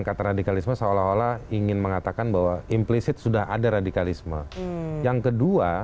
kata radikalisme seolah olah ingin mengatakan bahwa implisit sudah ada radikalisme yang kedua